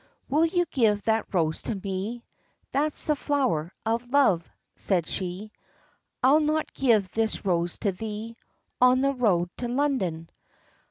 "Will you give that rose to me?" "That's the flower, of love," said she, "I'll not give this rose to thee, On the road, to London."